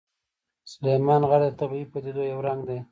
سلیمان غر د طبیعي پدیدو یو رنګ دی.